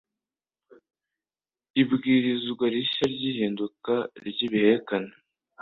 ibwirizwa rishya ry'ihinduka ry'ibihekane